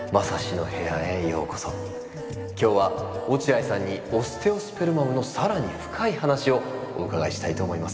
今日は落合さんにオステオスペルマムの更に深い話をお伺いしたいと思います。